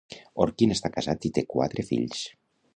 Orkin està casat i té quatre fills.